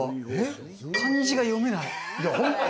漢字が読めない。